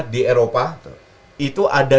di eropa itu ada